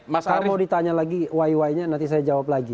kalau mau ditanya lagi y nya nanti saya jawab lagi